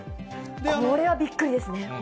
これはびっくりですね。